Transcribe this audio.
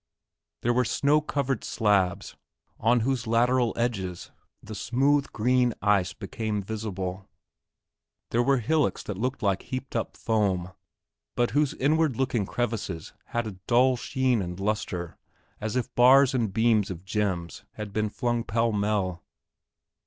There were snow covered slabs on whose lateral edges the smooth green ice became visible; there were hillocks that looked like heaped up foam, but whose inward looking crevices had a dull sheen and lustre as if bars and beams of gems had been flung pellmell.